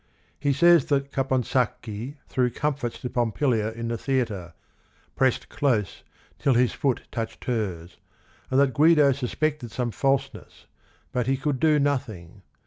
He says that Caponsacchi threw comfits to Pompilia in the theatre, "pressed close till his foot touched hers," and that Guido suspected some falseness, but he could do noth ing.